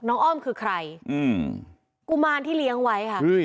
น้องอ้อมคือใครกุมารที่เลี้ยงไว้ค่ะ